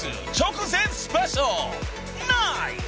［ナイス！］